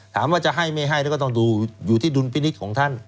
ถามว่าจะให้ไม่ให้แล้วก็ต้องดูอยู่ที่ดุลพินิษฐ์ของท่าน